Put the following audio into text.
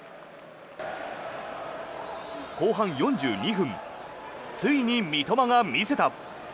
後半４２分ついに三笘が見せた。